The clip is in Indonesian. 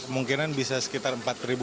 mungkin bisa sekitar empat lima ratus